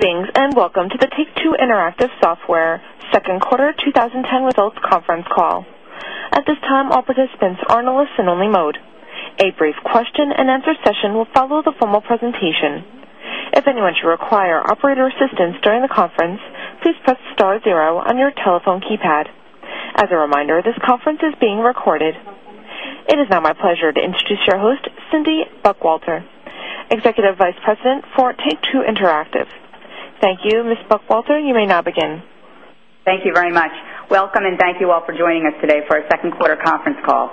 Greetings and welcome to the Take 2 Interactive Software Second Quarter 20 participants are in a listen only mode. As a reminder, this conference is being recorded. It is now my pleasure to introduce your host, Cindy Buckwalter, Executive Vice President for Take 2 Interactive. Thank you. Ms. Buckwalter, you may now begin. Welcome, and thank you all for joining us today for our second quarter conference call.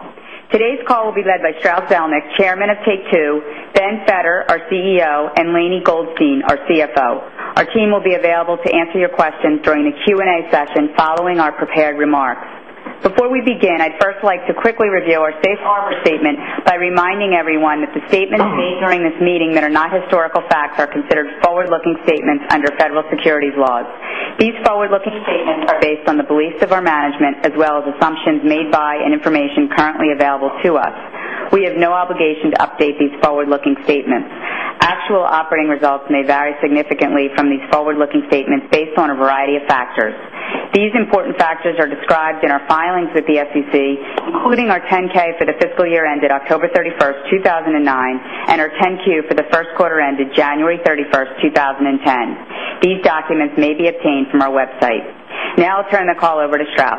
Today's call will be led by Strauss Zelnick, Chairman of Take 2, Ben Fedter, our CEO and Lany Goldstein, our CFO. Our team will be available to answer your questions during the Q and A session following our prepared remarks. Before we begin, I'd first like to quickly review our Safe Harbor statement by reminding everyone that the statements made during this meeting that are not historical facts are considered forward looking statements under federal securities laws. These forward looking statements are based on the beliefs of our management, as well as assumptions made by and information currently available to us. We have no obligation to up state these forward looking statements. Actual operating results may vary significantly from these forward looking statements based on a variety of factors. These important factors are described in our filings with the SEC, including our 10 K for the fiscal year ended October 1, 2009, and our 10 Q for the first quarter ended January 31, 2010. These documents may be obtained from our website. Now, I'll turn the call over the shop.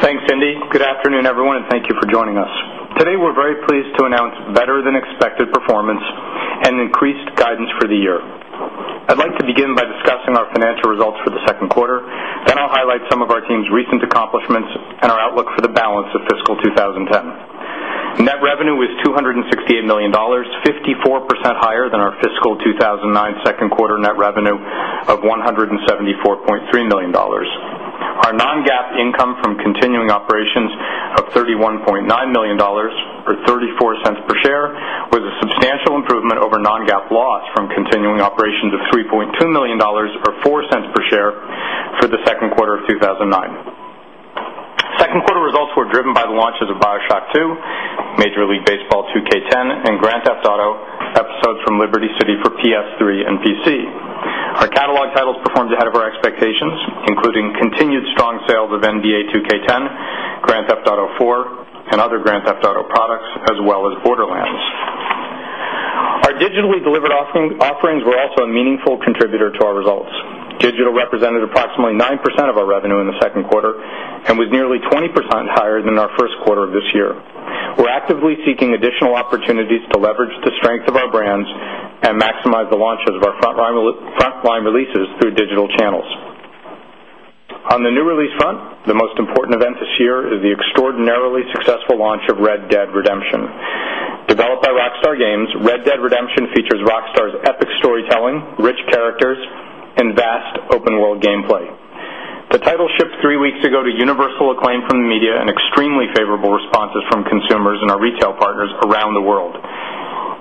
Thanks, Cindy. Good afternoon, everyone, and thank you for joining us. Today, we're very pleased to announce better than expected performance and increased guidance for of fiscal 2010. Net revenue 2nd quarter net revenue of 100 and dollars or $0.34 per share with a substantial improvement over non GAAP loss from continuing operations of $3,200,000 or $0.04 per share for the second quarter of 2009. 2nd quarter results were driven by the launches of BioShock 2, Major League Baseball 2 A10 and Grant Theft Auto episodes from Liberty City for PS 3 and PC. Our catalog titles performed ahead of our expectation including continued strong sales of NDA 2K10, Grand Theft Auto 4, and other Grand Theft Auto products, as well as Borderlands. Our digitally delivered offerings were also a meaningful contributor to our results. Digital represented approximately 9% of our revenue in 2nd quarter and was nearly 20% higher than our first quarter of this year. We're actively seeking additional opportunities to leverage the strength of our ones and maximize the launches of our front line releases through digital channels. On the new release front, the most important event this year extraordinarily successful launch of Red Dead Redemption. Developed by Rockstar Games, Red Dead Redemption features Rockstar's epic storytelling, rich characters, and vast open world gameplay. The title shipped 3 weeks ago to universal acclaim from the media and extremely favorable responses from consumers in our retail partners around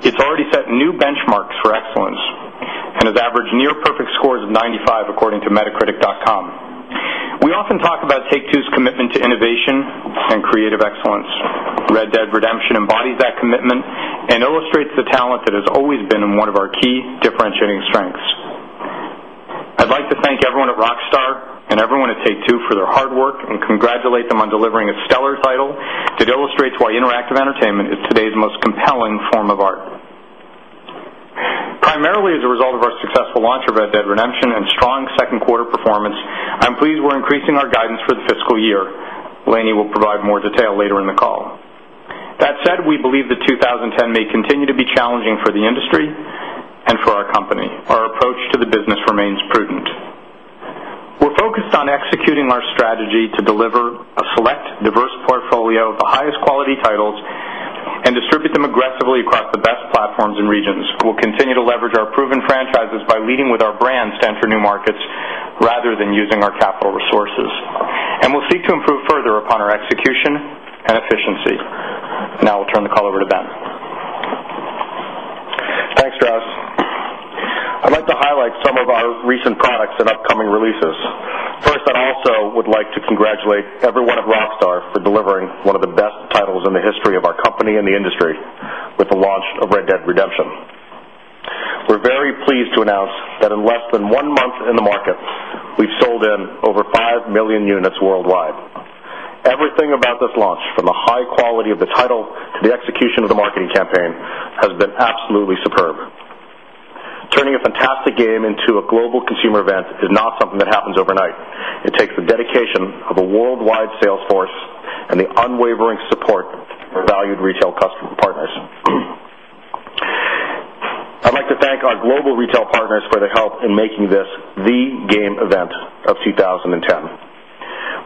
We often talk about Take 2's commitment to innovation and creative excellence, red dead redemption embodies that commitment, and illustrates the talent has always been one of our key differentiating strengths. I'd like to thank everyone at Rockstar and everyone at Take 2 for their hard work and congratulate them on delivering its stellar title to demonstrate why interactive entertainment is today's most compelling form of art. Primarily as a result successful launch of Red Dead Redemption and strong second quarter performance, I'm pleased we're increasing our guidance for the fiscal year. Lainie will provide more later in the call. To the business remains prudent. We're focused on executing our strategy to deliver a select diverse portfolio of a high quality titles and distribute them aggressively across the best platforms and regions. We'll continue to leverage our proven franchises by leading with our brands to enter new markets rather using our capital resources. And we'll seek to improve further upon our execution and efficiency. Now, I'll turn the call over to Ben. Thanks, Strauss. I'd like to highlight some of our recent products and upcoming releases. First, I also would like to congratulate everyone of Rob's are for delivering one of the best titles in the history of our company in the industry, with the launch of Red Dead Redemption. We're very pleased to announce that in less than 1 month in the market, we've sold in over 5 million units worldwide. Everything about this launch the high quality of the title to the execution of the marketing campaign has been absolutely superb. The game into a global consumer event is not something that happens overnight. It takes the dedication of a worldwide sales force and the unwavering support for valued retail partners. I'd like to thank our global retail partners for their help in making this the game event of 2010.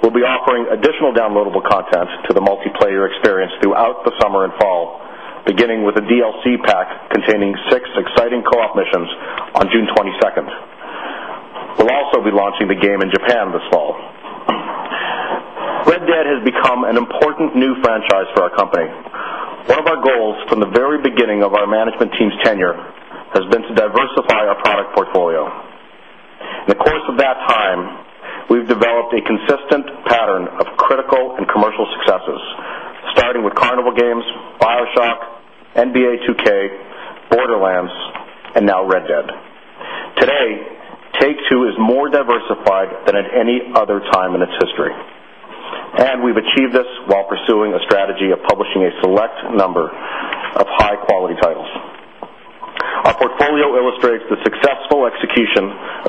We'll be offering additional downloadable content to the multiplayer experience throughout the summer in fall beginning with a DLC pack containing 6 exciting co op missions on June 22nd. We'll also be launching the game in Japan this fall. Red Dead has become an important new franchise for our company. 1 our goals from the very beginning of our management team's tenure has been to diversify our product portfolio. In the course of that time, we've developed a consistent pattern of critical and commercial successes, starting with carnival games, Bireshark, NBA 2k, borderlands, and now Red Dead. Today, Take 2 is more diversified than at any other time in its history. And we achieve this while pursuing a strategy of publishing a select number of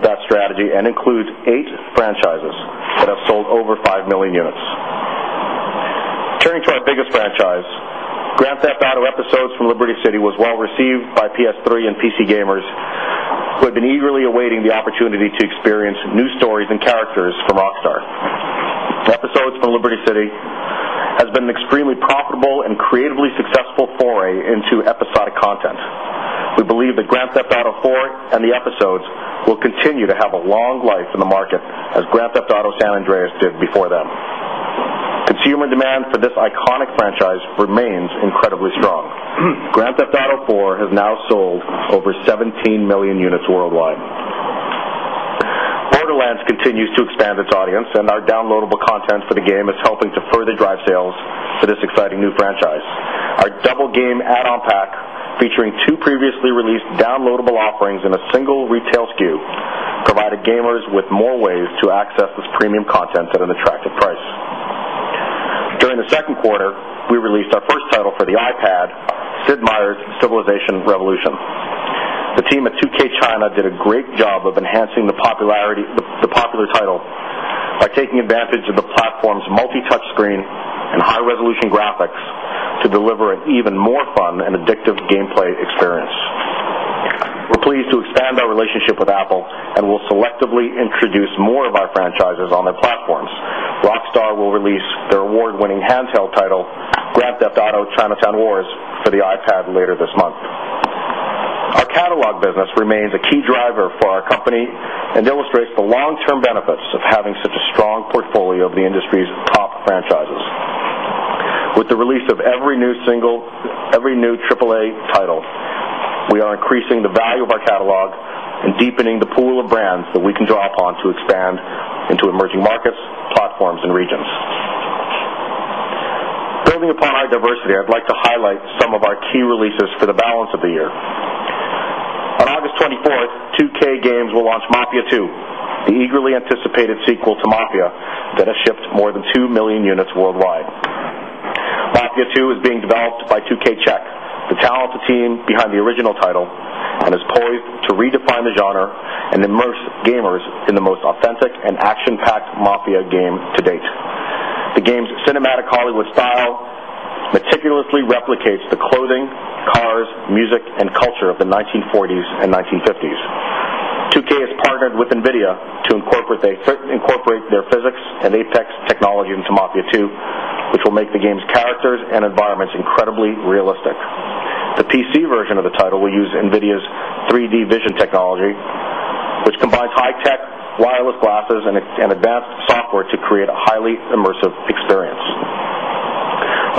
that strategy and includes 8 franchises that have sold over 5,000,000 units. Turning our biggest franchise. Grand Theft Auto episodes from Liberty City was well received by PS 3 and PC gamers. We've been eagerly awaiting the opportunity experience new stories and characters from Rockstar. The episodes from Liberty City has been an extremely profitable and creatively successful foray into episodic content. We believe that Grand Theft Auto Forward and the episodes will continue to have a long life in the market as Grand Theft Auto San Andreas did before them. Consumer demand for this iconic franchise remains in credit strong. Grand Theft Auto 4 has now sold over 17,000,000 units worldwide. Borderlands continues to expand its audience and our notable content for the game is helping to further drive sales for this exciting new franchise. Our double game add on pack featuring 2 previously released downloadable off offerings in a single retail SKU, provided gamers with more ways to access this premium content at an attractive price. During the second quarter, we released our first title for the iPad, Sid Meier's Civilization Revolution. The team at 2 k China did a great job of enhancing the popularity the the popular title by taking advantage of the platform's multi touch screen and high resolution graphics to deliver an even more fun and addictive gameplay experience. We're pleased to expand our relationship with Apple and will selectively introduce use more of our franchises on their platforms. Rockstar will release their award winning handheld title, grabbed up to auto Chinatown Wars for the eye add later this month. Our catalog business remains a key driver for our company and illustrates us of having such a strong portfolio of the industry's top franchises. With the release of every new single, every new AAA title, we are in increasing the value of our catalog and deepening the pool of brands that we can draw upon to expand into emerging markets, platforms, and regions. Building upon our diversity, I'd like to highlight some of our key releases for the balance of the year. On August 24th, 2 K games will launch Mapia 2, the eagerly anticipated sequel to Mapia that has shipped more than 2,000,000 units worldwide. Lafya too is being developed by 2 k check, the talented team behind the original title, and is poised to redefine the honor and the most gamers in the most authentic and action packed mafia game to date. The game's cinematic Hollywood style meticulously locates the clothing, cars, music, and culture of the 19 forties 1950s. 2 k is partnered with Nvidia, incorporate, they fit, incorporate their physics, and they text technology in Temafia 2, which will make the game's characters and environments incredibly realistic. The PC verse of the title, we use NVIDIA's 3 d vision technology, which combines high-tech, wireless glasses, and advanced software create a highly immersive experience.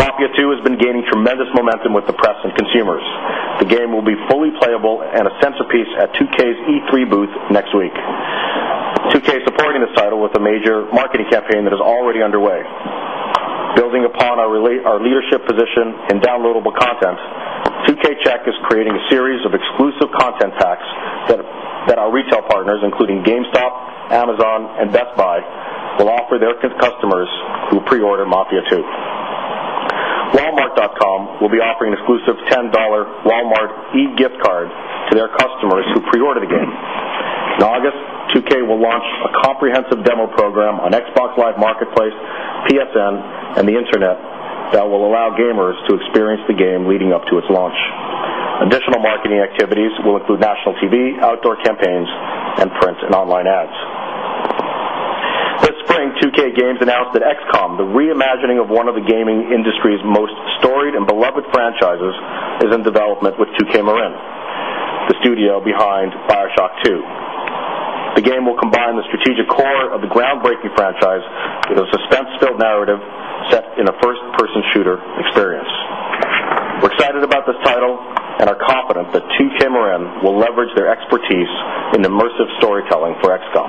Lafayette 2 has been gaining tremendous momentum with the press and consumers. The game will be fully playable and a centerpiece at 2 Ks E3 Booth next week. 2 Ks supporting the title with a major marketing campaign that is already underway. Building upon our relate, our leadership position, and downloadable content. 2K check is creating a series of exclusive content packs that that our retail partners in in GameStop, Amazon, and Best Buy will offer their customers who pre order mafia too. Walmart.com will be offering an exclusive $10 Walmart e gift card to their customers who pre ordered the game. Now, August 2 K will launch a a comprehensive demo program on Xbox Live marketplace, PSN, and the internet that will allow gamers to experience the game leading up to its launch. And this marketing activities will include national TV, outdoor campaigns, and print and online ads. Let's playing 2 K Games announced that XCOM, the reimagining of 1 of the gaming industry's most storied and beloved franchises is in development with 2 MRN. The studio behind Fireshock 2. The game will combine the strategic core of the groundbreaking franchise wise, you know, suspense still narrative set in a first person shooter experience. We're excited about this title and are confident that 2 camera will leverage their expertise in immersive storytelling for Xcom.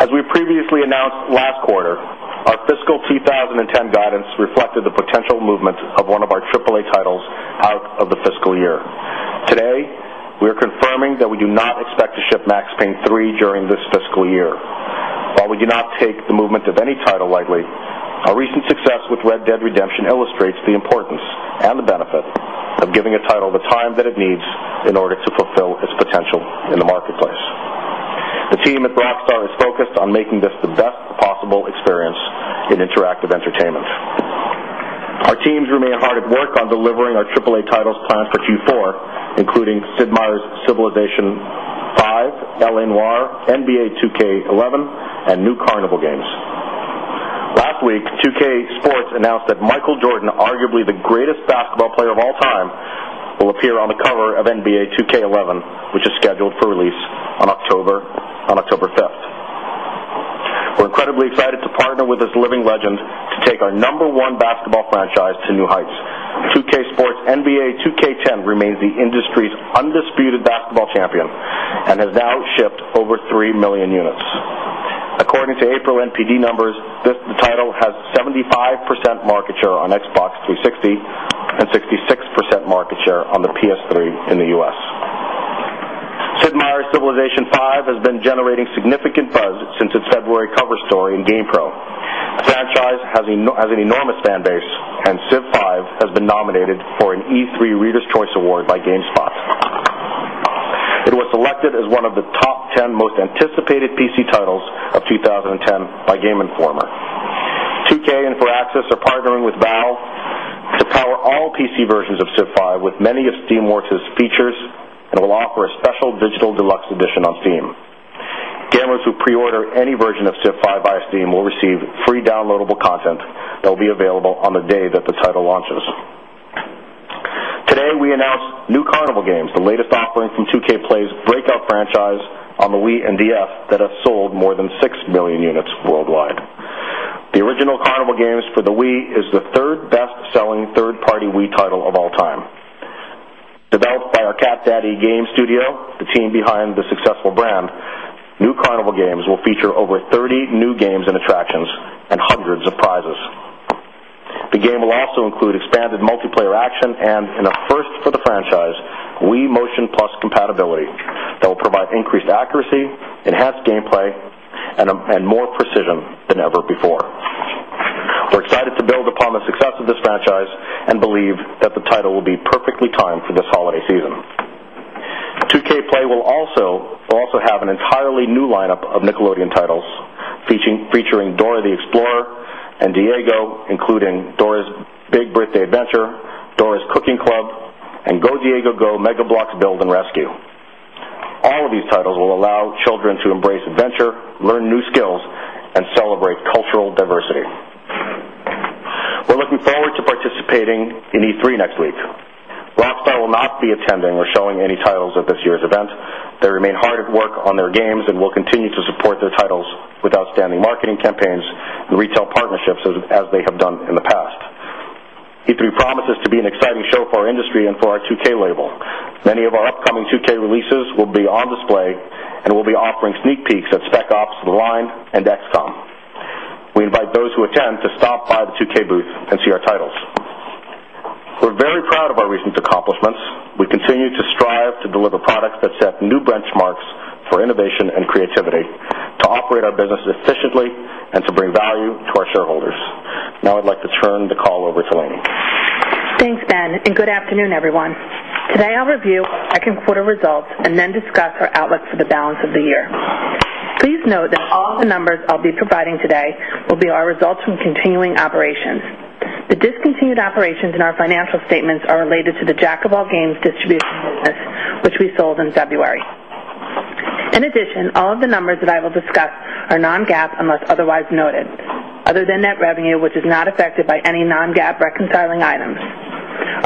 As we previously announced, while quarter. Our fiscal 2010 guidance reflected the potential movement of 1 of our AAA titles out of the fiscal year. Today, we are confirming that we not expect to ship Max Payne 3 during this fiscal year. While we do not take the movement of any title lightly, our recent success with Red Dead Redemption the importance and the benefit of giving a title the time that it needs in order to fulfill its potential in the marketplace. The team at Blackstar is focused on making this the best possible experience in interactive entertainment. Our teams remain our AAA titles planned for Q4, including Sid Meier's Civilization 5, L. N. War, NBA K 11 and new carnival games. Last week, 2 K sports announced that Michael Jordan arguably the greatest basketball player of all time will appear on the cover of NBA 2k11, which is scheduled for release on October on October 5th. We're incredibly excited to partner with this legends to take our number one basketball franchise to new heights. 2K Sports NBA 2K10 remains the industry's undisputed basketball champion, and now shipped over 3,000,000 units. According to April NPD numbers, this title has 75% market share on Xbox 360 and 66% market share on the PS 3 in the US. Sid Meier's civilization 5 has been generating significant buzz since its February cover story GamePro. The franchise has an has an enormous fan base, and SiP 5 has been nominated for an E 3 Reader's choice award by Game Spot. Was selected as one of the top 10 most anticipated PC titles of 2010 by game informer. 2K and for access are partnering with valve to power all PC versions of SIP V with many of steamworks' features, and it will offer a special digital on steam. Gamblers who pre order any version of SIP 5 via steam will receive free downloadable content that will be available on day that the title launches. Today, we announced new carnival games, the latest offering from 2 K Play's breakout franchise on the Wii NDS that has sold more than 6,000,000 units worldwide. The original Carnival games for the Wii is the 3rd best selling third party Wii title of all time. Developed by our Cat Daddy game studio, the team behind the successful brand, new carnival games will feature over 30 new games and attractions, and hundreds of prizes. Motion plus compatibility that will provide increased accuracy, enhanced gameplay, and more precision than ever before. We're excited to build upon the success of this franchise and believe that the title will be perfectly timed for this holiday season. 2 K play will also will also have an entirely new lineup of Nickelodeon titles, featuring featuring Door the Explorer and Diego, including Door Big Brit Day Venture, Doris Cooking Club, and Go Diego Go Mega Blocks Build and Rescue. All of these titles will allow children to embrace adventure, learn new skills and celebrate cultural diversity. We're looking to participating in E3 next week. Lifestyle will not be attending or showing any titles at this year's event. They remain hard at work on their games and will continue to support their titles with outstanding marketing campaigns and retail partnerships as they have done in the past. E3 promises to be an show for industry and for our 2 K label. Many of our upcoming 2 K releases will be on display and will be offering sneak peaks at spec ops, the line, and Dexcom. Invite those who attend to stop by the 2 K booth and see our titles. We're very proud of our recent accomplishments. We continue strive to deliver products that set new benchmarks for innovation and creativity, to operate our businesses efficiently and to bring value to our shareholders. Now, I'd like to turn the call over to Lainie. Thanks, Ben, and good afternoon, everyone. Today, I'll review our quarter results and then discuss our outlook the balance of the year. Please note that all the numbers I'll be providing today will be our results from continuing operations. The continued operations in our financial statements are related to the jack of all games distribution business, which we sold in February. In addition, all of the numbers that I will discuss are non GAAP unless otherwise noted. Other than net revenue, which is not affected by any non GAAP reconciling items.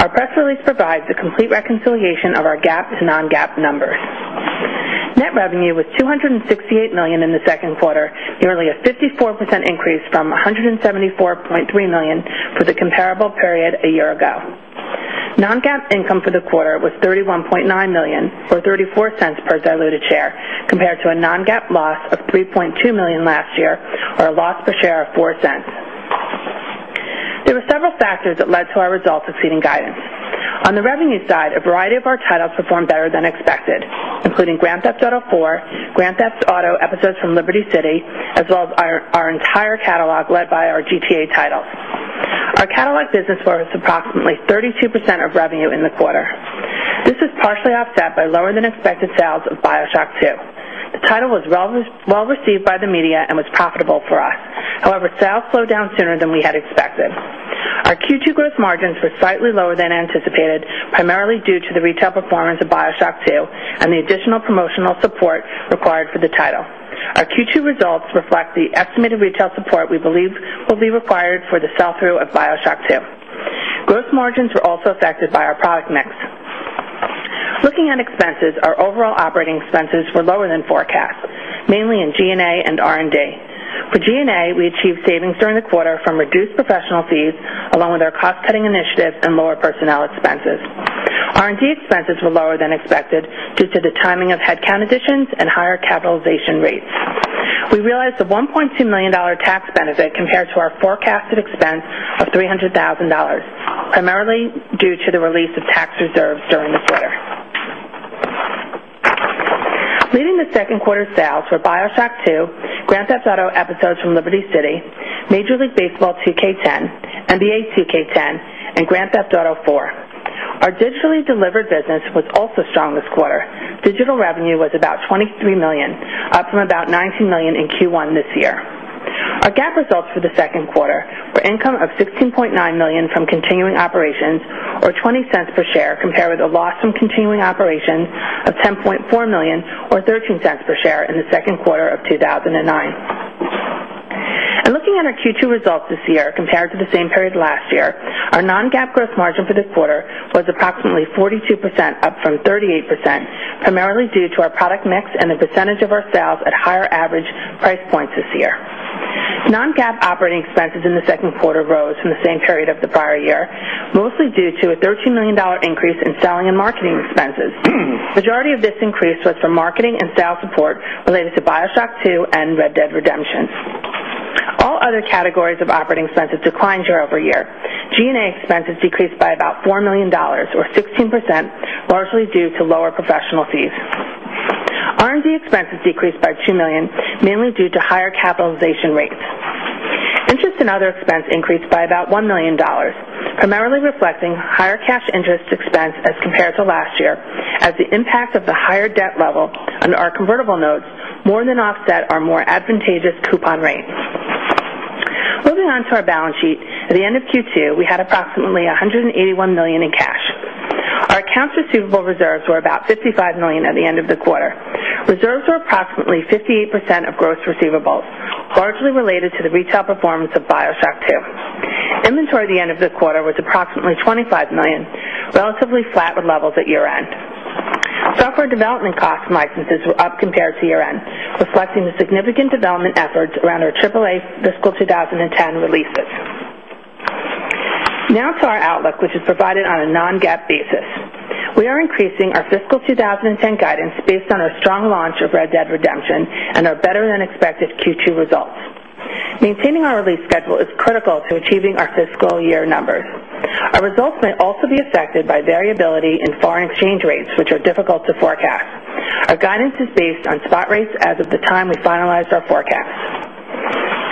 Our press release provides a complete reconciliation of our GAAP to non GAAP numbers. Net revenue was 2 68,000,000 in the 2nd quarter, nearly a 54% increase from 174,300,000 for the comparable period a year ago. Non GAAP income for last year or a loss per share of $0.04. There were several factors that led to our results exceeding guidance. Our the revenue side, a variety of our titles performed better than expected, including Grand Theft Auto 4, Grand Theft Auto episodes from Liberty City, as well as our entire catalog led by our GTA title. Our catalog business was approximately 32% of revenue in the quarter. This is was well received by the media and was profitable for us. However, sales slow down soon than we had expected. Our Q2 gross margins were slightly lower than anticipated, primarily due to promotional support required for the title. Our Q2 results reflect the estimated retail support we believe will be required for the sell through of BioShock 2. Gross margins were also affected by our product mix. Looking at expenses, our overall operating expenses were lower than forecast, mainly in G and R and D. For G And A, we achieved savings during the quarter from reduced professional fees, along with our cost cutting initiatives and lower personnel expenses. R and D expenses were lower than expected due to the timing of headcount additions and higher capitalization rates. We realized the $1,200,000 tax benefit compared our forecasted expense of $300,000, primarily due to the release of tax reserves during the quarter. Leading the 2nd quarter sales for BioShock 2, Grand Theft Auto episodes from Liberty City, Major League Baseball 2K10 and the 82K A10 and Grand Theft Auto 4. Our digitally delivered business was also strong this quarter. Digital revenue was about 23,000,000, up from out 19,000,000 in Q1 this year. Our GAAP results for the 2nd quarter were income of 16,900,000 from continuing operations or $0.20 per share compared with a loss from continuing operations of $10,400,000 or $0.13 per share in the 2nd quarter of 2009. And looking at our Q2 results this year compared to the same period last year, our non up from 38%, primarily due to our product mix and the percentage of our sales at higher average price points this year. Non GAAP operating expenses in the 2nd quarter rose from the same period of the prior year, mostly due to a $13,000,000 increase in selling marketing expenses. Majority of this increase was for marketing and sales support related to BioShock 2 and Red Dead Redemption. All other categories of operating expenses declined year over year. G and A expenses decreased by about $4,000,000 or 16% largely due to lower professional fees. R and D expenses decreased by 2,000,000, mainly due to higher capitalization rates. Interest and other expense increased by about $1,000,000, primarily reflecting higher cash interest expense as compared to last year. As the impact of the higher debt level and our convertible notes more than offset our more advantageous coupon rates. Moving on to our balance sheet, at the end of Q2, we had approximately $181,000,000 in cash. Our accounts receivable reserves were about $55,000,000 at the end of the quarter. Reserves were approximately 58% of gross receivables, largely related to the retail performance of BioSAC 2. Inventory at the end of the quarter was approximately 25 $1,000,000, relatively flat with levels at year end. Software development costs and licenses were up compared to year end, reflecting the significant development efforts around AAA fiscal 2010 releases. Now to our outlook, which is provided on a non GAAP basis, this. We are increasing our fiscal 2010 guidance based on our strong launch of Red Dead Redemption and our better than expected Q2 results. Maintaining our release schedule is critical to achieving our fiscal year numbers. Our results may also be affected by variability in foreign exchange rates, which difficult to forecast. Our guidance is based on spot rates as of the time we finalized our forecast.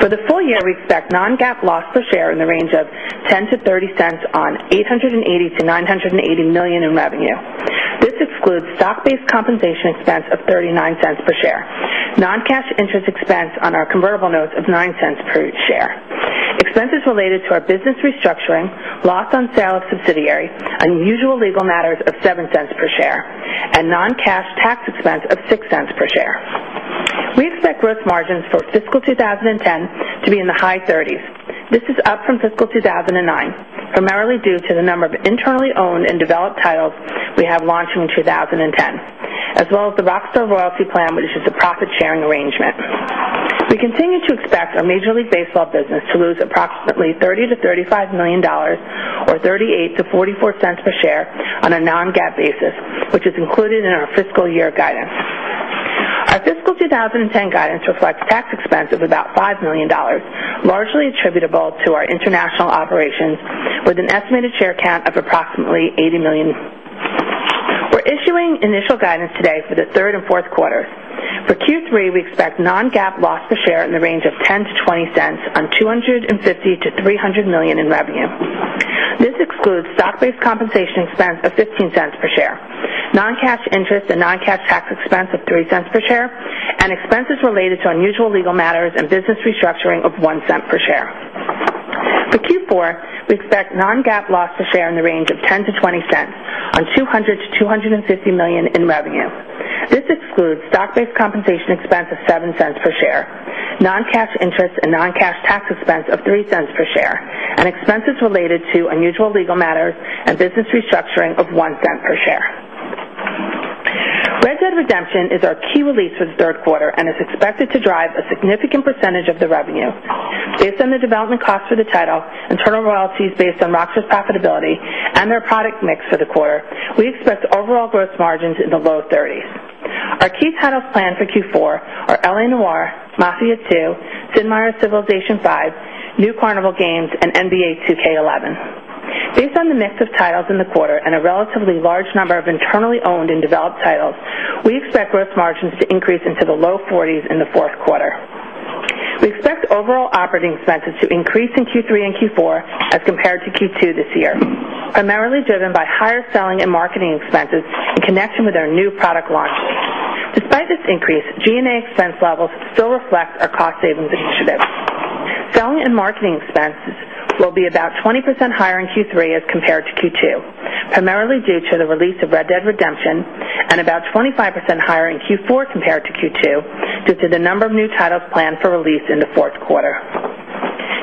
For the full year, we expect non GAAP loss per share in the range of 10 to 30¢ on $880,000,000 to $980,000,000 in revenue. This excludes stock based compensation expense of $0.39 per share. Non cash interest expense on our convertible notes of $0.09 per citiary, unusual legal matters of $0.07 per share, and non cash tax expense of $0.06 per share. We expect gross margins fiscal 2010 to be in the high 30s. This is up from fiscal 2009, primarily due to the number of inter owned and developed titles we have launched in 2010, as well as the Rockstar Royalty Plan, which is a profit sharing range it. We continue to expect our Major League Baseball business to lose approximately $30,000,000 to $35,000,000 or $0.38 to $0.44 per share on a non GAAP based which is included in our fiscal year guidance. Our fiscal 2010 guidance reflects tax expense of about $5,000,000, largely attributable to our operations with an estimated share count of approximately 80,000,000. We're issuing initial guidance today for the 3rd fourth quarter. For Q3 3, we expect non GAAP loss per share in the range of $0.10 to $0.20 on $250,000,000 to $300,000,000 in revenue. This excludes stock based compensation expense of $0.15 per share, non cash interest and non cash tax expense of $0.03 per share, and expenses related to unusual legal matters and business restructuring of $0.01 per share. For Q4, we expect non GAAP loss to share in the range of $10 to $0.20 on $200,000,000 to $250,000,000 in revenue. This excludes stock based compensation expense of $0.07 per share. Non cash interest and non cash tax expense of $0.03 per share, and expenses related to unusual legal matters and business restructuring of $0.01 per share. ResMed redemption is our key release for the 3rd quarter and is expected to drive a significant percentage of the revenue. Based on the development costs for the title, internal royalties based on Rockford's profitability and their product mix for the quarter, we expect overall gross margins in the low 30s. Our Keith Huddl's plan for Q4 are L. A. Noir, mafia 2, Sid Meier's Civilization V, new Carnival games, and NBA 2K11. Based on the mix of titles in the quarter and a relatively large number of internally owned and developed titles, We expect gross margins to increase into the low 40s in fourth quarter. We expect overall operating expenses to increase in Q3 and Q4 compared to Q2 this year, primarily driven by higher selling and marketing expenses in connection with our new product launches. Despite increased G and A expense levels still reflect our cost savings initiatives. Selling and marketing expenses will be about 20% higher in Q3 as compared to Q2, primarily due to the release of Red Dead Redemption and about 25% higher in Q4 compared to Q2 due to the number of new titles planned for release in the fourth quarter.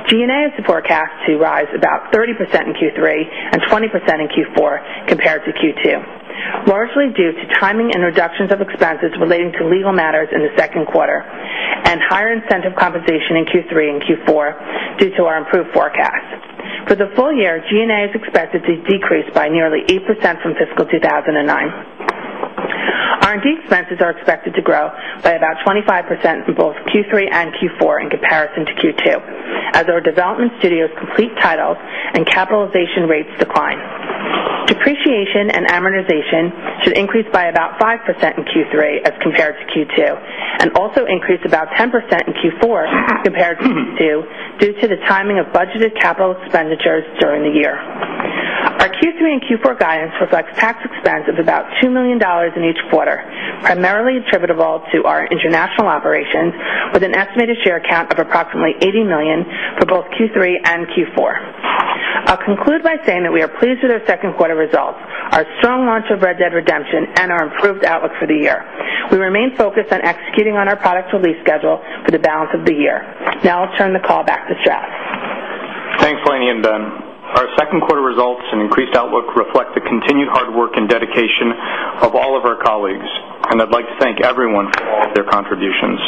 G and A is forecast to rise about 30% in Q3 and 20% in Q3 4 compared to Q2, largely due to timing and reductions of expenses relating to legal matters in the second quarter. And higher incentive compensation in Q3 and Q4 due to our improved forecast. For the full year, G and A is expected to decrease by nearly 8% from fiscal 1009. R and D expenses are expected to grow by about 25% in both Q3 and Q4 in Paris into Q2, as our development studio's complete titles and capitalization rates decline. Depreciation and to increase by about 5% in Q3 as compared to Q2, and also increased about 10% in Q4 compared to due due to the timing of budgeted capital expenditures during the year. Our Q3 and Q4 guidance reflects tax expense of about $2,000,000 in each quarter, primarily attributable to our international operations with an estimated share count of approximately $80,000,000 for both Q3 and Q4. I'll conclude by saying that we are pleased with our 2nd quarter results, our strong launch of Red Dead Redemption and our improved outlook for the year. We remain focused on executing on our product release schedule for the balance of the year. Now, I'll turn the call back to Strauss. Thanks, Our second quarter results and increased outlook reflect the continued hard work and dedication of all of our colleagues, and I'd like to thank everyone for their contributions.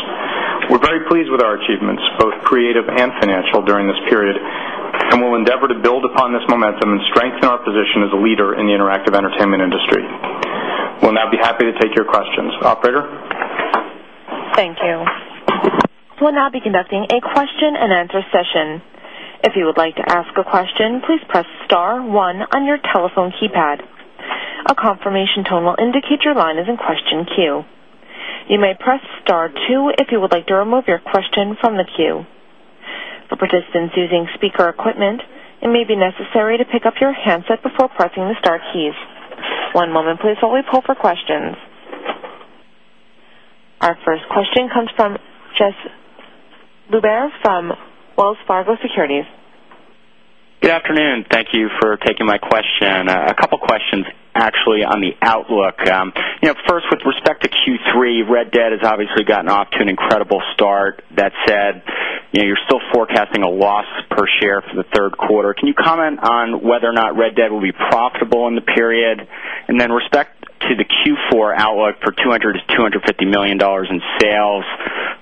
We're very pleased with our achievements, both creative and financial during this period, and we'll endeavor to build upon this met them and strengthen our position as a leader in the interactive entertainment industry. We'll now be happy to take your questions. We'll now be conducting Our first question comes from Jess Loubert from Wells Fargo Securities. Yes, afternoon. Thank you for taking my question. A couple of questions actually on the outlook. You know, first with respect to red debt has obviously gotten off to an incredible start. That said, you know, you're still forecasting a loss per share for the third quarter. Can you comment whether or not Red Dead will be profitable in the period. And then respect to the Q4 outlook for $200,000,000 to $250,000,000 in sales.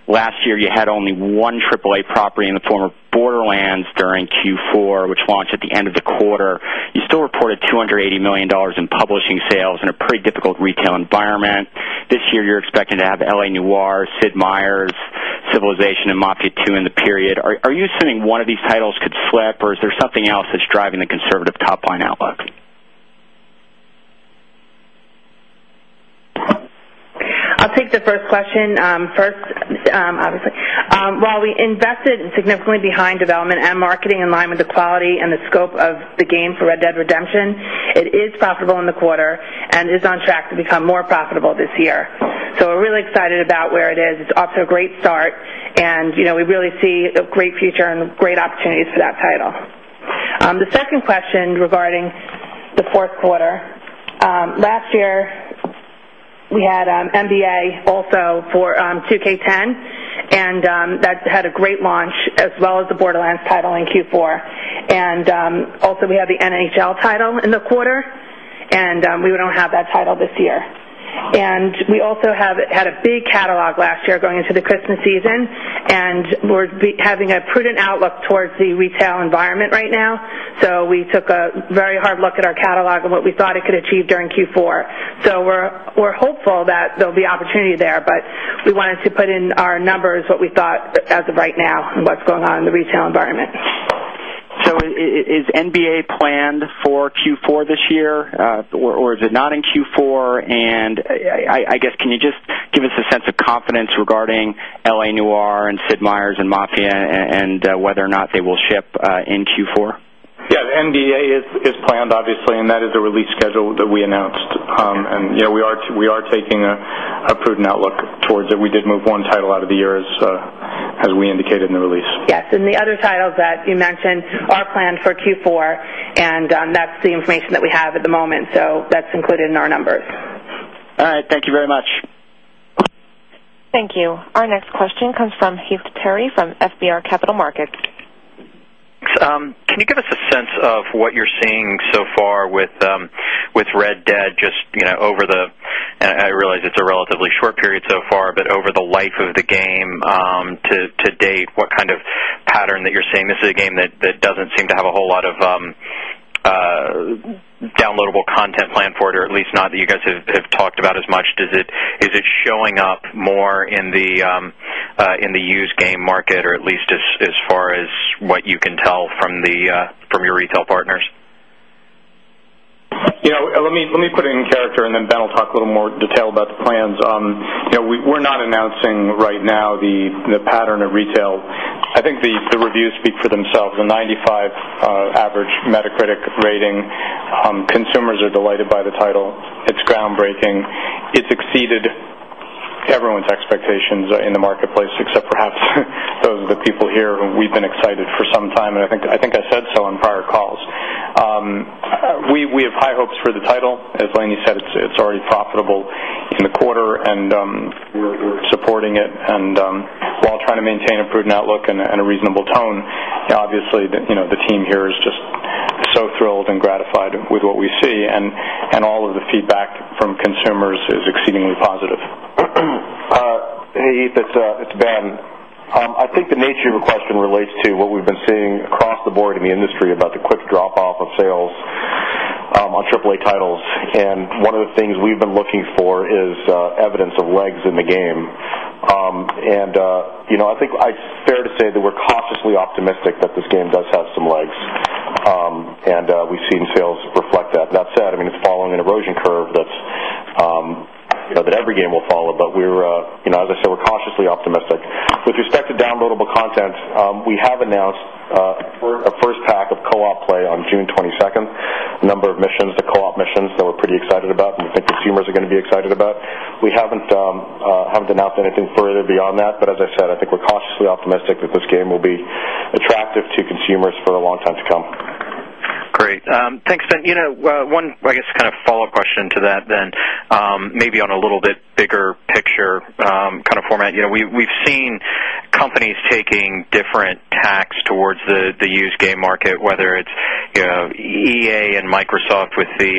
Last year, had only 1 AAA property in the form of border lands during q 4, which launched at the end of the quarter. You still reported 280,000,000 dollars in publishing sales in a pretty difficult retail environment. This year, you're expecting to have LA new R, Sid Meyers, Civilization, and Mopka 2 in the period. Are you assuming one titles could slip, or is there something else that's driving the conservative top line outlook? I'll take the first question. First, obviously, while we invested significantly behind development and marketing in line with quality and the scope of the game for Red Dead Redemption, it is profitable in the quarter and is on track to become more profitable this year. So we're really excited about where it is. It's also a great start and, you know, we really see a great future and great opportunities for that title. The second question regarding the fourth quarter, last year, we had, MBA also for, 2K10, and, that had a great launch as well as the Borderlands title in Q4. And, also we have NHL title in the quarter. And, we don't have that title this year. And we also have had a big catalog last year going into the the season, and we're having a prudent outlook towards the retail environment right now. So we took a hard look at our catalog and what we thought it could achieve during Q4. So we're hopeful that there'll be opportunity there, but we wanted to put in our numbers what we thought of right now, what's going on in the retail environment? So is NBA planned for Q4 this year, or or is it not Q4. And I I I guess, can you just give us a sense of confidence regarding LA new R and Sid Meyers and mafia whether or not they will ship in Q4? Yeah. The NDA is is planned, obviously, and that is a release schedule that we announced and, you know, we are, we are taking a prudent outlook towards it. We did move one title out of the year as, as we indicated in the release. And the other titles that you mentioned are planned for Q4, and that's the information that we have at the moment. So, that's included in our numbers. Thank you very much. Thank you. Our next question comes from Heath Terry from FBR Capital Markets. Thanks. Can you give us a sense of what you're seeing so far with, with Red Dead just, you know, over the, I realize it's a relatively short period so far, but over the life of the game, to to date, what kind of pattern that you're saying this is a game that that doesn't seem to have a whole lot of, downloadable content plan for least not that you guys have talked about as much, is it, is it showing up more in the, in the used game market or at least as as far as what you can tell from the, from your retail partners? Let me put it in character and then Ben will talk a little more detail about the plans. You know, we, we're not announcing right now the, the pattern of retail. I think the, the review speak for themselves, the 95, average metacritic rating. Consumers are delighted by the title. It's groundbreaking. It's exceeded everyone's expectations in the marketplace, except perhaps those of the people here who we've been excited for some time. And I think, I think I said so on prior calls. We, we have high hopes for the title. As Lainie said, it's, it's already profitable in the quarter and, supporting it. And, while trying to a prudent outlook and a reasonable tone. Obviously, the, you know, the team here is just so thrilled and gratified with what we see and, and all of the feedback from consumers is exceedingly positive. Hey, it's, it's Ben. I think the nature of your question relates to what we've been seeing across the board in the industry about the quick drop off of sales, on AAA titles. And one of the things we've been looking for is, evidence of legs in the game. And, you know, I think, I fair to say that we're cautiously optimistic that this game does have some legs. And, we've seen sales reflect that. That said, I mean, it's following an erosion curve that's, you know, that every game will follow, but we're, you know, as I said, we're cautiously optimistic. With respect to downloadable content, we have announced, for a first pack of co op play on June 22, the number of missions, the co op missions that we're pretty excited about, and I think consumers are going to be excited about. We haven't, to announce anything further beyond that. But as I said, I think we're cautiously optimistic that this game will be attractive to consumers for a long time to come. Great. Thanks. And, you know, one, I guess, kind of follow-up question to that then, maybe on a little bit bigger picture, kind of format, you know, we we've seen companies taking different tax towards the the used game market, whether it's, you know, EA and Microsoft with the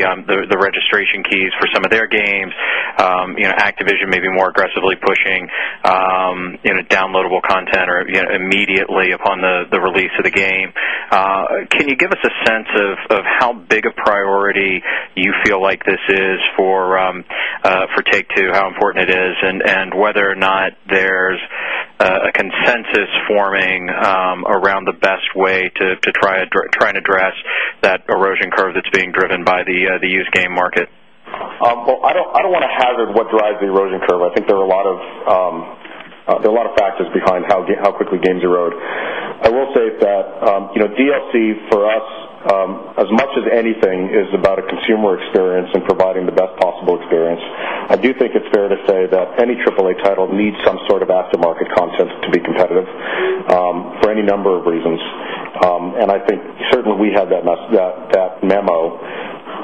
registration keys for some of their games, you know, Activision may be more aggressively pushing, you know, downloadable or immediately upon the the release of the game. Can you give us a sense of of how big a priority you feel like this is for, for Take 2, how important it is, and and whether or not there's, a consensus forming, around the best way to try to address that erosion curve that's being driven by the, the used game market? Well, I don't, I don't want to hazard what drives the erosion curve. I think there are a lot of, a lot of factors behind how how quickly games erode. I will say that, you know, DLC for us, as much as anything is about consumer experience and providing the best possible experience. I do think it's fair to say that any AAA title needs some sort of aftermarket content to be competitive. For any number of reasons. And I think certainly we have that that that memo.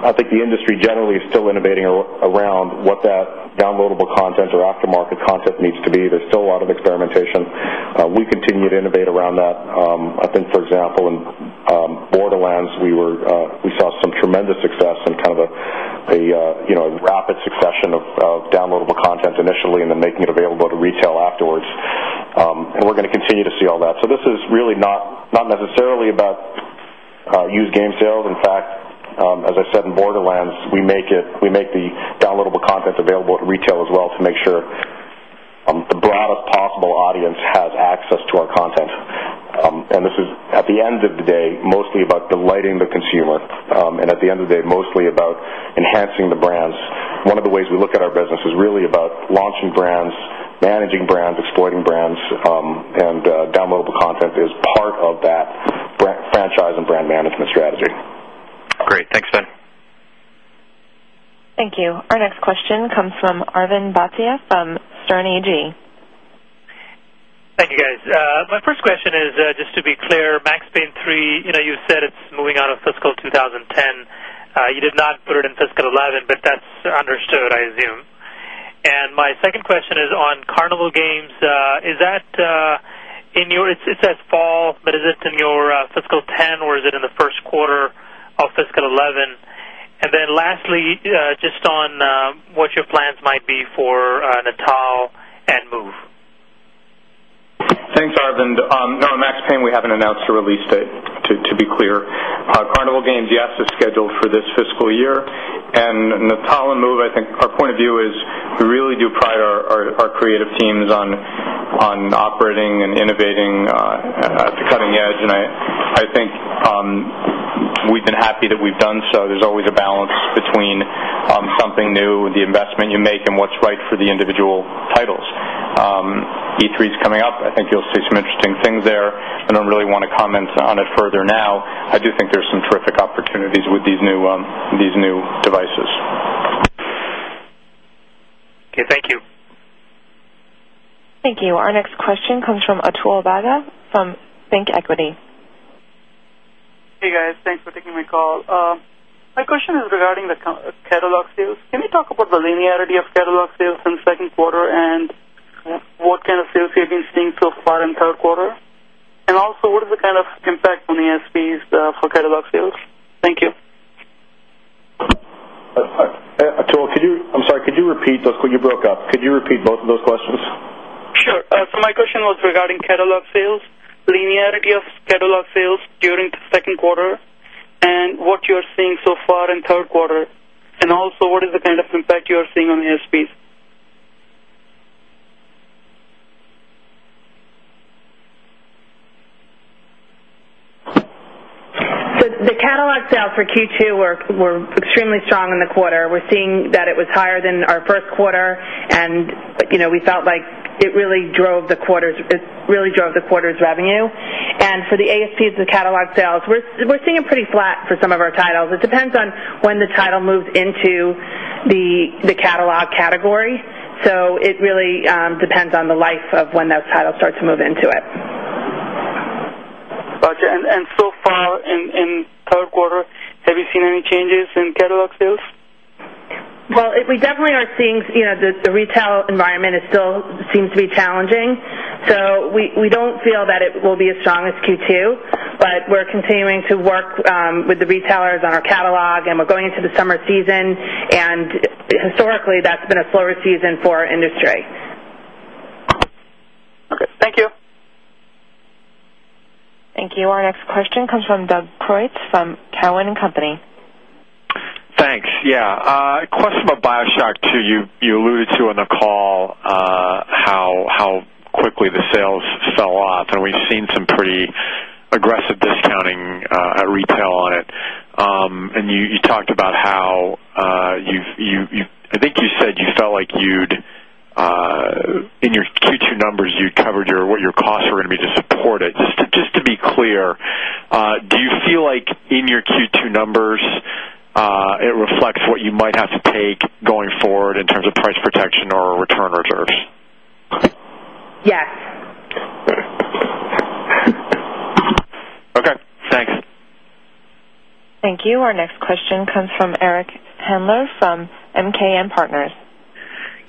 I think the industry is still innovating around what that downloadable content or aftermarket concept needs to be. There's still a lot of experimentation. We continue to innovate around that, think, for example, in, borderlands, we were, we saw some tremendous success in kind of a, a, rapid succession of downloadable initially and then making it available to retail afterwards. And we're gonna continue to see all that. So this is really not not necessarily about use game sales. In fact, as I said in Borderlands, we make it, we make the downloadable content available to retail as well to sure, the broadest possible audience has access to our content. And this is, at the end of the day, mostly about delighting the consumer And at the end of the day, mostly about enhancing the brands. One of the ways we look at our business is really about launching brands, managing brands, exploiting brands, and, downloadable content is part of that brand franchise and brand management strategy. Great. Thanks, Ben. Thank you Our next question comes from Arvind Batya from Sterny G. Thank you, guys. My first question is, just to be clear, Max Payne 3, you know, you said it's moving on to fiscal 2010. You did not put it in fiscal 11, but that's understood, I assume. And second question is on Carnival games. Is that, in your it's it's at fall, but is it in your physical ten or is it in the first quarter of fiscal 11? And then lastly, just on, what your plans might be for Natal and move. Thanks, Arvind. No, Max Payne, we haven't announced a release date. To be clear. Carnival games, yes, is scheduled for this fiscal year. And the pollen move, I think our point of view is we really do by our our our creative teams on on operating and innovating, at the cutting edge. And I I think, we've been happy that we've done there's always a balance between, something new, the investment you make and what's right for the individual titles. E3 is coming up. I think you'll see some things there. And I don't really wanna comment on it further now. I do think there's some terrific opportunities with these new, these new devices. K. Thank you. Thank you. Our next question from Atul Bhagha from Bank Equity. Hey guys, thanks for taking my call. My question is regarding the catalog sales. Can we about the linearity of catalog sales in 2nd quarter and what kind of sales you've been seeing so far in 3rd quarter. And also is the kind of impact on the SPs, Hokkadilocksmiths? Thank you. Atul, could you I'm sorry. You repeat those when you broke up? Could you repeat both of those questions? Sure. So my question was regarding catalog sales, linearity of during the second quarter and what you're seeing so far in 3rd quarter. And also, what is the kind of impact you're seeing on ASPs? The the Cadillac sale for Q2 were extremely strong in the quarter. We're seeing that it was higher than really drove the quarter's revenue. And for the ASPs and catalog sales, we're seeing pretty flat for some of our titles. It depends on when the title moves into the, the catalog category. So it really, depends on the life of when those titles start to move into it. Gotcha. And and so far in in 3rd quarter, have you seen any changes in catalog sales? Well, if we definitely are seeing, you know, the, the retail environment is still seems to be challenging. So we, we don't feel that it will be as strong as Q2 do, but we're continuing to work, with the retailers on our catalog and we're going into the summer season. And historically, that's been a slower season for our industry. Okay. Thank you. Thank you. Our next question comes from Doug from Cowen and Company. Thanks. Yeah. Question about BioShock too, you alluded to on the call. How quickly the sales fell off, and we've seen some pretty aggressive discounting, retail on it. And you you talked about how, you've you you I think you said you felt like you'd, in your two numbers you covered or what your costs are going to be to support it. Just to just to be clear, do you feel like in your Q two numbers, it reflects what you might have to take going forward in terms of price protection or return reserves? Yes. Okay. Thanks. Our next question comes from Eric handler from MKM Partners.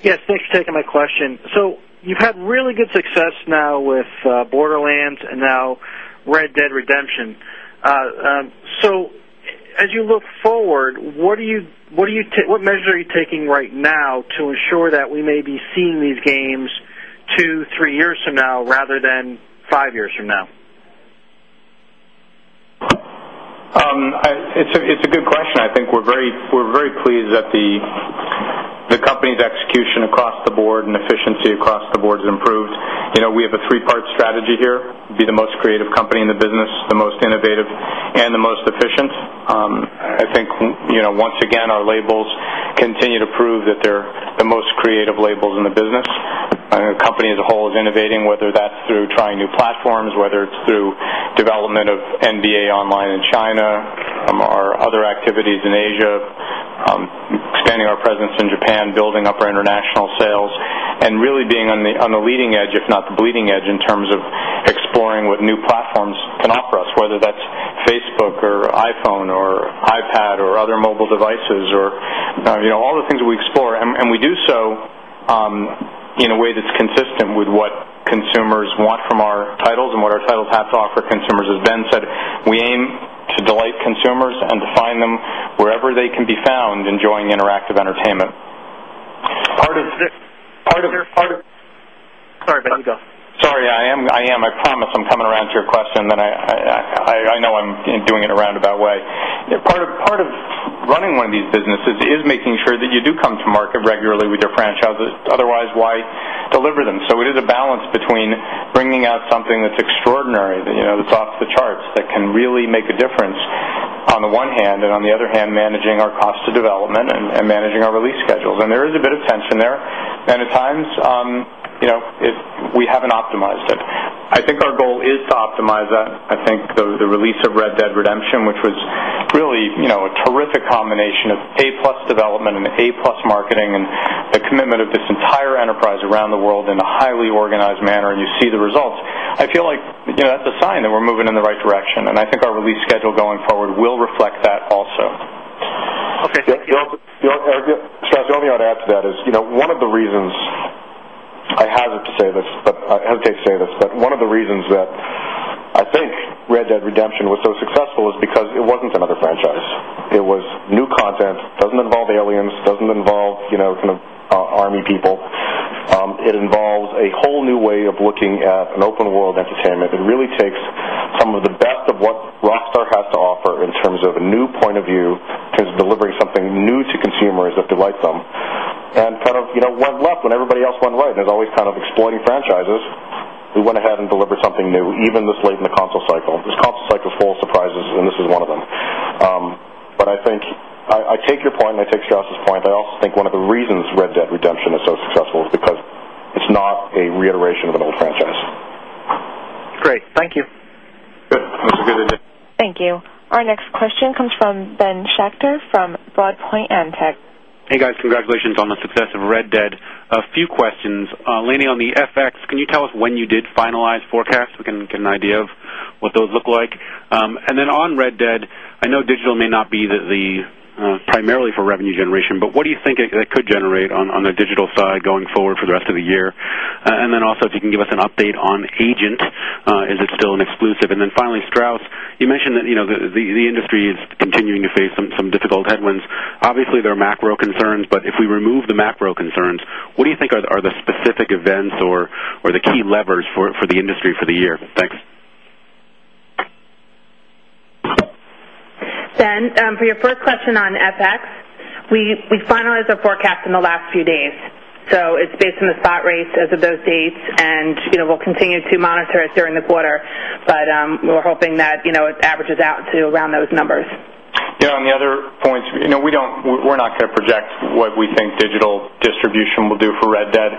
Yes. Thanks for taking my question. So you've had really good success now with border and now Red Dead Redemption. So as you look forward, what do you what do you what taking right now to ensure that we may be seeing these games 2, 3 years from now rather than 5 years now? It's a it's a good question. I think we're very, we're very pleased that the, the company's execution of the board and efficiency across the board has improved. You know, we have a 3 part strategy here, be the most creative company in the business, the most innovative and the most efficient. I think, you know, once again, our labels continue to prove that they're the most creative labels in the business. A company as a whole is innovating, whether that's through trying new platforms, whether it's through development of NBA online in China, MR other activities in Asia, expanding our presence in Japan, building up our international sales, and really being on the on the leading edge, if not the bleeding edge in terms of exploring what new platforms can offer us, whether that's Facebook or iPhone or iPad or other mobile devices or, you know, all the things that we explore and we do so, in a way that's consistent with what consumers want from our titles and what our titles have to offer consumers has been said, we aim to delight consumers and define them wherever they can be found enjoying interactive entertainment. Sorry. I am I am. I promise I'm coming around to your question that I I I know I'm doing it about way. Part of, part of running 1 of these businesses is making sure that you do come to market regularly with your franchise, otherwise, why deliver them it is a balance between bringing out something that's extraordinary, you know, that's off the charts that can really make a difference on the one hand, and on the other hand, managing our to development and and managing our release schedules. And there is a bit of tension there. And at times, you know, it we haven't optimized it. I think our goal is to optimize a, I think, the, the release of Red Dead Redemption, which was really, you know, a terrific combination of A plus development and A plus marketing and the commitment of the entire enterprise around the world in a highly organized manner and you see the results. I feel like, you know, that's a sign that we're moving in the right direction. And I think our release schedule going forward will reflect that also. Okay. Thank you. I hesitate to say this, but I hesitate to say this, but one of the reasons that I think red dead redemption was so successful is because it wasn't another franchise. It was new content, doesn't involve aliens, doesn't involve, you know, kind of army people. It involves a whole new way of what an open world entertainment. It really takes some of the best of what Rockstar has to offer in terms of a new point of view to delivering something new to consumers that delight them. And kind of, you know, one left when everybody else went right and there's always kind of exploiting franchises, we went ahead and delivered something even this late in the console cycle. This console cycle's full of surprises, and this is one of them. But I think, I, I take your point. It takes Josh's point. I also think one of the reasons red debt redemption is so successful because it's not a reiteration of an old franchise. Great. Thank you. Comes from Ben Schachter from Broadpoint AndTech. Hey, guys. Congratulations on the success of Red Dead. A few questions Lanny, on the FX, can you tell us when you did finalize forecast? We can get an idea of what those look like. And then on Red Dead, I know digital may not be the the, primarily for revenue generation, but what do you think that could generate on on the digital side going forward for rest of the year? And then also if you can give us an update on agent, is it still an exclusive? And then finally, Strauss, you mentioned that the industry is continuing to face some difficult headwinds. Obviously, there are macro concerns, but if we remove the macro concerns, what do you think are the specific events or the levers for the industry for the year? Thanks. Ben, for your first question on FX, we we fund as a forecast in the last few days. So it's based on the spot rates as of those dates and, you know, we'll continue to monitor it during the quarter. But but, we're hoping that, you know, it averages out to around those numbers. Yeah. And the other points, you know, we don't we're not gonna project what we think digital distribution will do red dead.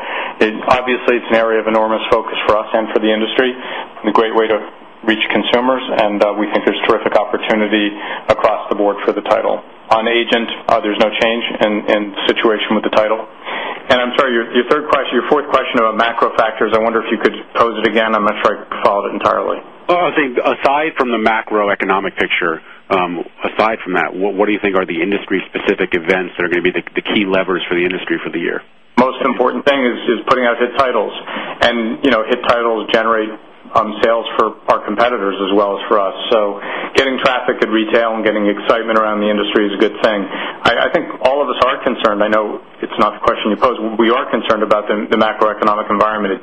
Obviously, it's an area of enormous focus for us and for the industry. And a great way to reach consumers, and, we think there's opportunity across the board for the title. On agent, there's no change in in situation with the title. And I'm sorry, your your 3rd question, your 4th question of a macro I wonder if you could post it again. I'm not sure I followed it entirely. Oh, I think, aside from the macroeconomic picture, aside from that, what do you think are the industry specific events gonna be the key levers for the industry for the year? Most important thing is putting out hit titles and, you know, hit titles generate, sales for our competitors well as for us. So getting traffic at retail and getting excitement around the industry is a good thing. I I think all of us are concerned. I know it's not the question you posed. We are concerned about the macroeconomic environment.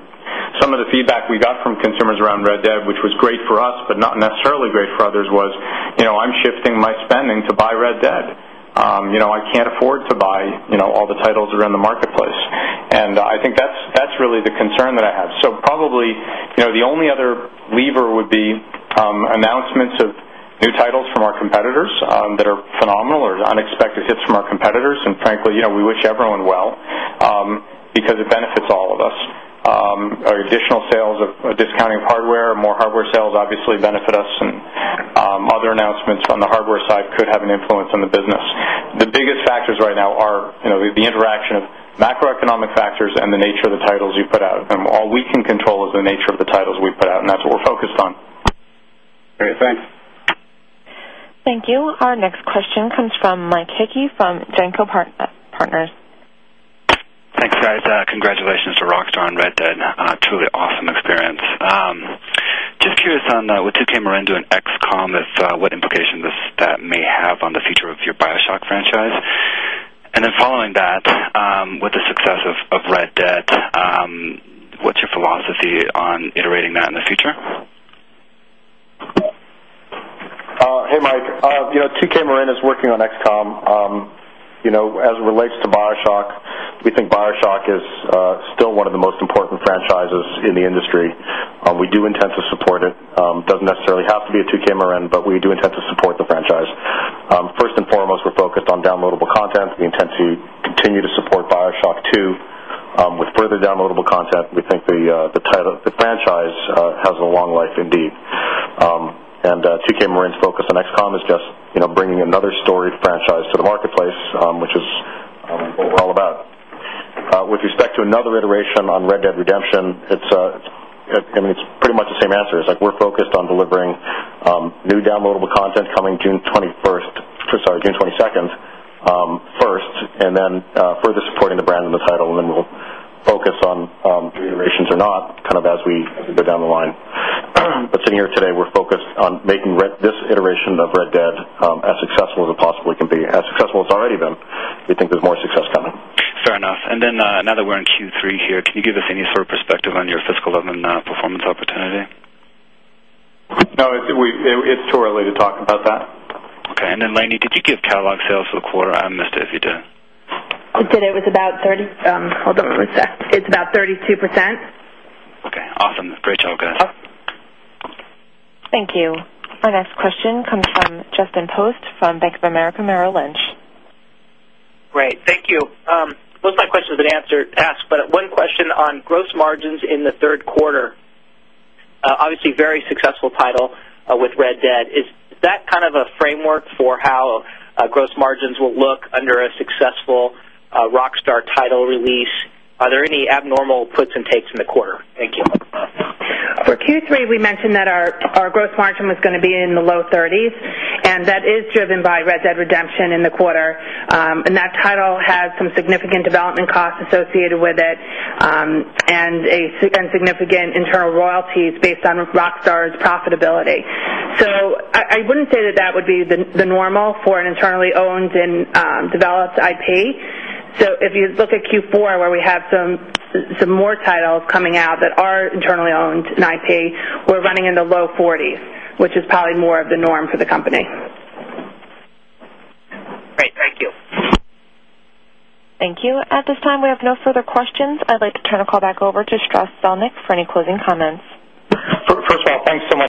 Some of the feedback we got from consumers around Red Dead, which was great for us, but not necessarily great for others, was, you know, I'm shifting my spending to buy Red Dead, you know, I can't afford to buy, you know, all the titles around the marketplace. And I think that's that's really the concern that I have. So probably, you know, the only other lever would be, announcements of new titles from our competitors that are phenomenal or on hits from our competitors. And frankly, you know, we wish everyone well, because it benefits all of us. Our additional sales, discounting hardware, more hardware sales obviously benefit us. And, other announcements on the hardware side could have an influence on the The biggest factors right now are, you know, the interaction of macroeconomic factors and the nature of the titles you put out, and all we can control is the nature of the titles we put out, and that's what we're this time. Great. Thanks. Thank you. Our next question comes from Mike Hickey from Genco Partners. Thanks, guys. Congratulations to Rockstar on Red Dead. Truly awesome experience. Just curious on that with 2 camera into an XCOM what implications this that may have on the future of your BioShock franchise. And then following that, with the 6 of red debt. What's your philosophy on iterating that in the future? Hey, Mike. 2K Marin is working on XCOM, you know, as it relates to BioShock, we think BioShock is, still one of the most important franchises in the industry. We do intend to support it. Doesn't necessarily have to be a 2K MRN, but we do intend to support the franchise. 1st and foremost, we're focused on downloadable content. We intend to to support BioShock 2, with further downloadable content, we think the, the title of the franchise, has a long life Indeed. And, 2K Marin's focus on Xcom is just, you know, bringing another story franchise to the marketplace, which is, with respect to another iteration on Red Dead Redemption, it's, I mean, it's pretty much the same answer. It's like we're focused on delivering new downloadable content coming June 21st, sorry, June 22nd, first. And then, further supporting the brand and the title, and then we'll focus this on, iterations or not kind of as we go down the line. But sitting here today, we're focused on making this iteration of dead, as successful as it possibly can be as successful as it's already been. You think there's more success coming. Fair enough. And then, now that we're in Q3 here, can you give sort of perspective on your fiscal and then, performance opportunity? No, it's too early to talk about that. Okay. And then, Lainie, did you give catalog sales for the quarter Mister, if you did. Today, it was about 30. Hold on one sec. It's about 32%. Okay. Awesome. Great job guys. Thank you. Our next question comes from Justin Post from Bank of America Merrill Lynch. Great. Thank you. What's my question that answered past, but one question on gross margins in the 3rd quarter, obviously, very successful title with Red Dead. Is that kind of a framework for how, gross margins will look under a successful, rock our title release, are there any abnormal puts and takes in the quarter? Thank you. For Q3, we mentioned that our gross margin was going to be in the low 30s. In that is driven by Red Dead Redemption in the quarter. And that title has some significant development costs associated with it, and a significant internal royalties based on Rockstar's profitability. So I wouldn't say that that would be the the normal for an internally owned and developed IP. So if you look at Q4 where we have some, some more titles coming out that are internally owned in IP, we're running in the low 40s, which is probably more of the norm for the company. You. At this time, we have no further questions. I'd like to turn the call back over to Strauss Zelnick for any closing comments. First of all, thanks so